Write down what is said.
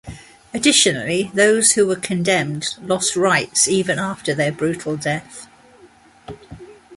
Additionally, those who were condemned lost rights even after their brutal death.